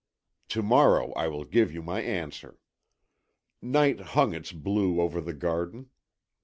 To morrow I will give you my answer." Night hung its blue over the garden.